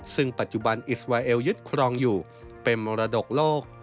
ซึ่งปัจจุบันอิสราเอลยึดครองอยู่เป็นมรดกโลก